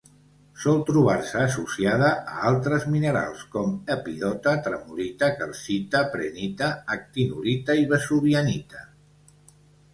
Sol trobar-se associada a altres minerals com: epidota, tremolita, calcita, prehnita, actinolita i vesuvianita.